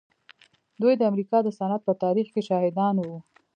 دوی د امريکا د صنعت په تاريخ کې شاهدان وو.